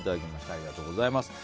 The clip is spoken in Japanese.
ありがとうございます。